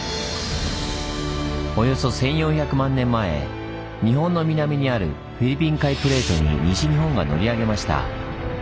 およそ１，４００万年前日本の南にあるフィリピン海プレートに西日本が乗り上げました。